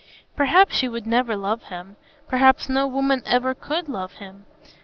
Perhaps she would never love him; perhaps no woman ever could love him.